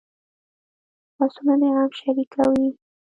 لاسونه د غم شریکه وي